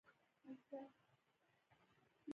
عسکر څنګه وطن ساتي؟